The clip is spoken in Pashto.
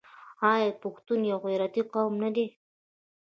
آیا پښتون یو غیرتي قوم نه دی؟